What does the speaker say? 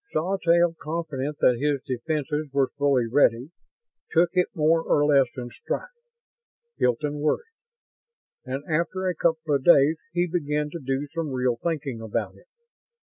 Sawtelle, confident that his defenses were fully ready, took it more or less in stride. Hilton worried. And after a couple of days he began to do some real thinking about it.